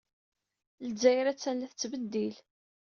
Lezzayer attan la tettbeddil.